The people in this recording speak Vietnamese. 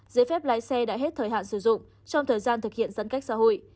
giấy phép lái xe đã hết thời hạn sử dụng trong thời gian thực hiện giãn cách xã hội